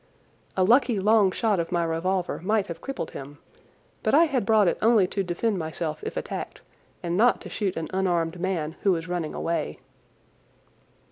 A lucky long shot of my revolver might have crippled him, but I had brought it only to defend myself if attacked and not to shoot an unarmed man who was running away.